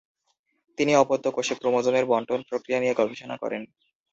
তিনি অপত্য কোষে ক্রোমোজোমের বণ্টন প্রক্রিয়া নিয়ে গবেষণা করেন।